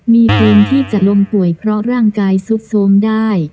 มีภูมิที่จะล้มป่วยเพราะร่างกายซุดโทรมได้